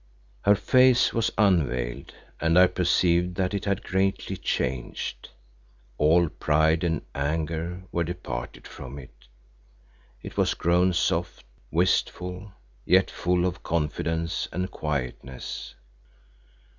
Her face was unveiled and I perceived that it had greatly changed. All pride and anger were departed from it; it was grown soft, wistful, yet full of confidence and quietness.